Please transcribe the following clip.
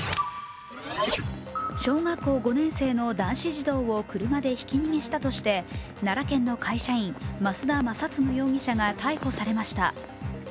小学校５年生の男子児童を車でひき逃げしたとして奈良県の会社員、増田昌嗣容疑者が逮捕されました。